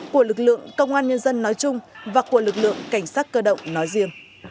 của lực lượng công an nhân dân nói chung và của lực lượng cảnh sát cơ động nói riêng